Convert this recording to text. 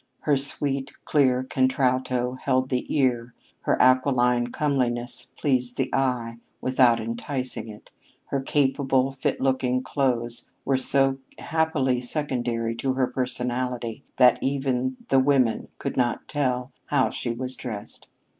Her sweet, clear contralto held the ear; her aquiline comeliness pleased the eye without enticing it; her capable, fit looking clothes were so happily secondary to her personality that even the women could not tell how she was dressed.